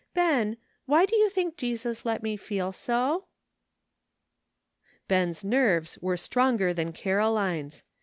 Ben, why do you think Jesus let me feel so?" Ben's nerves were stronger than Caroline's.